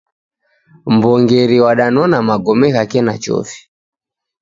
Mw'ongeri wadanona magome ghake na chofi.